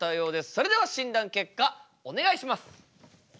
それでは診断結果お願いします！